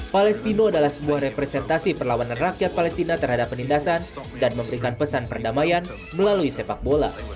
palestina adalah sebuah representasi perlawanan rakyat palestina terhadap penindasan dan memberikan pesan perdamaian melalui sepak bola